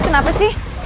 mas kenapa sih